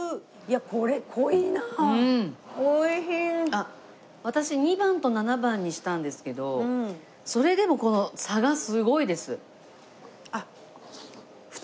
あっ私２番と７番にしたんですけどそれでもこの差がすごいです。